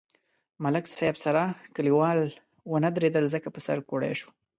ملک صاحب سره کلیوال و نه درېدل ځکه په سر کوړئ شو.